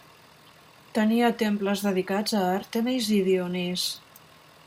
Tenia temples dedicats a Àrtemis i Dionís.